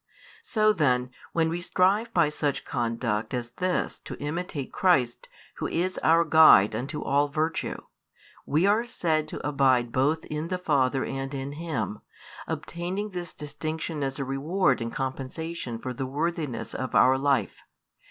So then, when we strive by such conduct as this to imitate Christ Who is our guide unto all virtue, we are said to abide both in the Father and in Him, obtaining this distinction as a reward and compensation for the worthiness of our life.